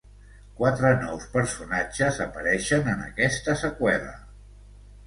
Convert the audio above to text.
Quatre nous personatges apareixen en aquesta seqüela.